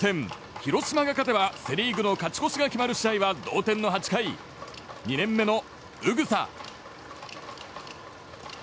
広島が勝てばセ・リーグの勝ち越しが決まる試合は同点の８回２年目の宇草。